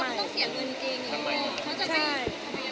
จะใครอ่ะคะก็ต้องเป็นขวานอ่ะมีใช่